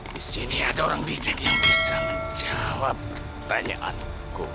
di sini ada orang bijak yang bisa menjawab pertanyaanku